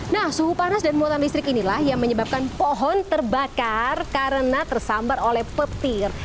nah suhu panas dan muatan listrik inilah yang menyebabkan pohon terbakar karena tersambar oleh petir